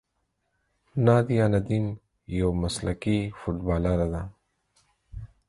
نادیه ندیم یوه مسلکي فوټبالره ده.